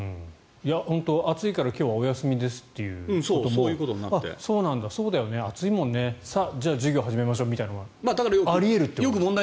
本当に、暑いから今日はお休みですっていうこともあ、そうなんだ、暑いもんね。さあ授業始めましょうみたいなのがあり得るということですよね。